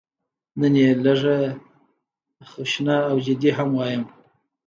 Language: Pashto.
نن یې لږه خشنه او جدي هم وایم.